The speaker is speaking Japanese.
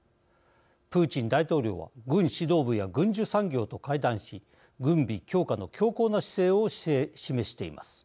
プーチン大統領は軍指導部や軍需産業と会談し、軍備強化の強硬な姿勢を示しています。